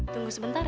tunggu sebentar ya